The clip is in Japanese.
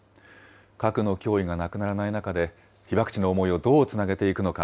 核の脅威がなくならない中で、被爆地の思いをどうつなげていくのか。